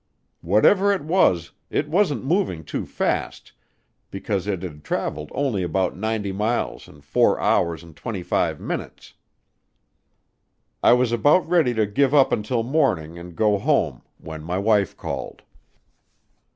Whatever it was, it wasn't moving too fast, because it had traveled only about 90 miles in four hours and twenty five minutes. I was about ready to give up until morning and go home when my wife called.